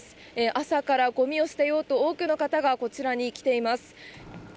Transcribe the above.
朝からごみを捨てようと、多くの方がこちらに来ています。